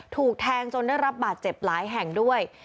ถูกแทงจนได้รับบาดเจ็บหลายแห่งด้วย